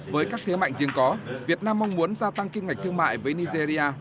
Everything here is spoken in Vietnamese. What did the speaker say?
với các thế mạnh riêng có việt nam mong muốn gia tăng kim ngạch thương mại với nigeria